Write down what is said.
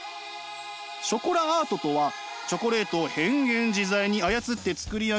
ショコラアートとはチョコレートを変幻自在に操って作り上げる